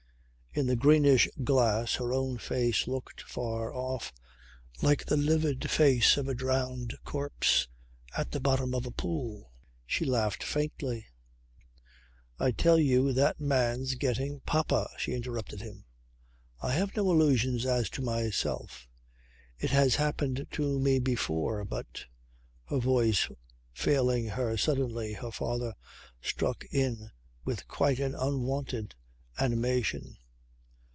In the greenish glass her own face looked far off like the livid face of a drowned corpse at the bottom of a pool. She laughed faintly. "I tell you that man's getting " "Papa," she interrupted him. "I have no illusions as to myself. It has happened to me before but " Her voice failing her suddenly her father struck in with quite an unwonted animation.